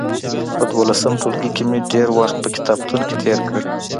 په دولسم ټولګي کي مي ډېر وخت په کتابتون کي تېر کړ.